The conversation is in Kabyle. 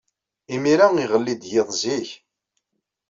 Imir-a, iɣelli-d yiḍ zik.